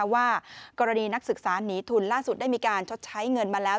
ว่ากรณีนักศึกษาหนีทุนล่าสุดได้มีการชดใช้เงินมาแล้ว